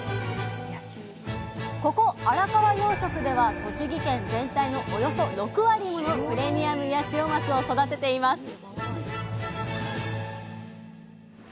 ここ荒川養殖では栃木県全体のおよそ６割ものプレミアムヤシオマスを育てています